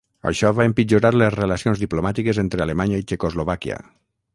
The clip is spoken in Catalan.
Això va empitjorar les relacions diplomàtiques entre Alemanya i Txecoslovàquia.